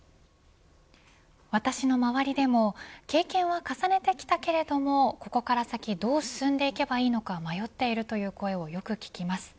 私の周りでも経験は重ねてきたけれどもここから先どう進んで行けばいいのか迷っているという声をよく聞きます。